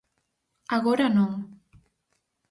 Agora non.